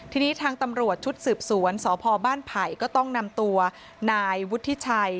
ทีนี้ทางตำรวจชุดสืบสวนสพบ้านไผ่ก็ต้องนำตัวนายวุฒิชัย